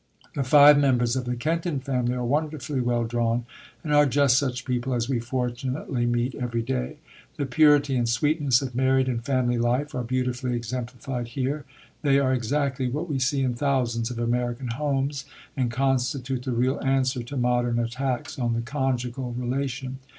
The five members of the Kenton family are wonderfully well drawn, and are just such people as we fortunately meet every day. The purity and sweetness of married and family life are beautifully exemplified here; they are exactly what we see in thousands of American homes, and constitute the real answer to modern attacks on the conjugal relation.